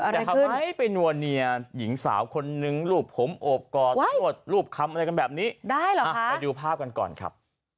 แต่ทำไมไปนัวเนียหญิงสาวคนนึงรูปผมโอบกอดนวดรูปคำอะไรกันแบบนี้ได้เหรอไปดูภาพกันก่อนครับ